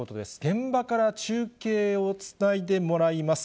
現場から中継をつないでもらいます。